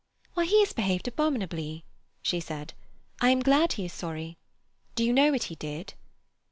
"Why, he has behaved abominably," she said. "I am glad he is sorry. Do you know what he did?"